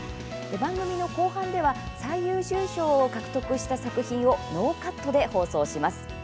番組の後半では最優秀賞を獲得した作品をノーカットで放送します。